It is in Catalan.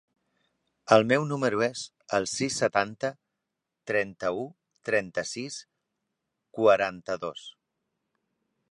El meu número es el sis, setanta, trenta-u, trenta-sis, quaranta-dos.